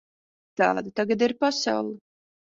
Tāda tagad ir pasaule.